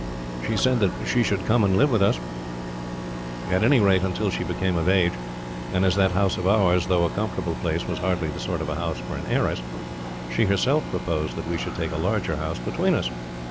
She said that she should come and live with us, at any rate until she became of age; and as that house of ours, though a comfortable place, was hardly the sort of house for an heiress, she herself proposed that we should take a larger house between us.